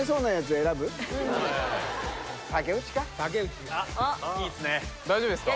・竹内・いいっすね大丈夫ですか？